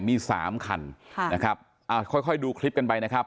มีสามคันค่ะนะครับอ่าค่อยค่อยดูคลิปกันไปนะครับ